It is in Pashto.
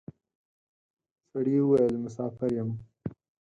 سړي وويل: مساپر یم.